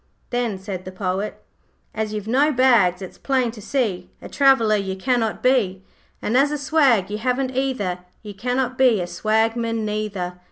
Then said the Poet 'As you've no bags it's plain to see A traveller you cannot be; And as a swag you haven't either You cannot be a swagman neither.